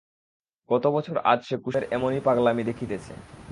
কত বছর আজ সে কুসুমের এমনি পাগলামি দেখিতেছে।